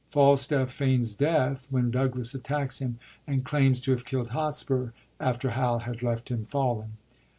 Falstaff feigns death when Douglas attacks him, and claims to have killd Hotspur, after Hal had left him fallen.